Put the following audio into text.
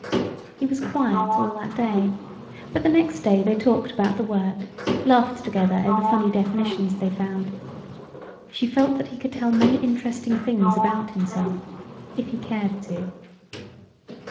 He was quiet all that day, but the next day they talked about the work, laughed together over funny definitions they found. She felt that he could tell many interesting things about himself, if he cared to.